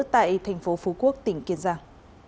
tại thành phố phú quốc tỉnh kiên giang